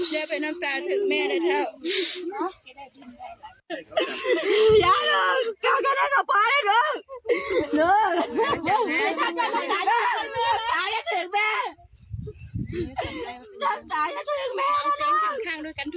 เดี๋ยวไปน้ำสายเถิงแม่ได้เท่า